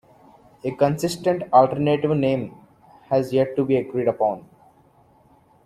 A consistent, alternative name has yet to be agreed upon.